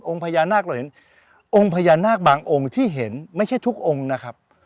พญานาคเราเห็นองค์พญานาคบางองค์ที่เห็นไม่ใช่ทุกองค์นะครับ